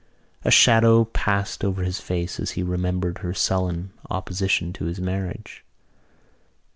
A shadow passed over his face as he remembered her sullen opposition to his marriage.